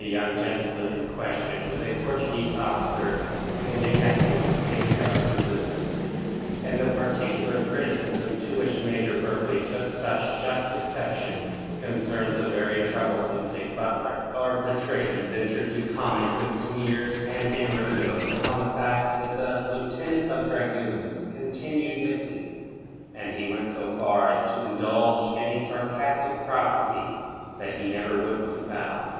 The young gentleman in question was a Portuguese officer and a nephew of the Patriarch of Lisbon, and the particular criticism to which Major Berkeley took such just exception concerned the very troublesome Dick Butler. Our patrician ventured to comment with sneers and innuendoes upon the fact that the lieutenant of dragoons continued missing, and he went so far as to indulge in a sarcastic prophecy that he never would be found.